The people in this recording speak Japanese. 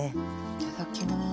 いただきます。